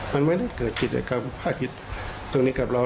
มันไม่ได้เกิดกิจกรรมภาคคิดตรงนี้กับเรา